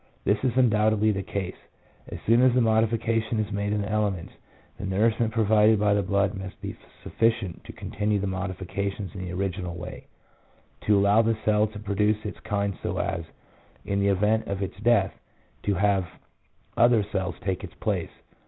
This is undoubtedly the case. As soon as the modi fication is made in the elements, the nourishment provided by the blood must be sufficient to continue the modifications in the original way, to allow the cell to produce its kind so as, in the event of its death, to have other cells to take its place.